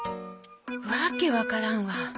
わけわからんわ。